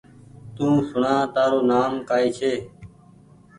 تو سوڻآ تآرو نآم ڪآئي ڇي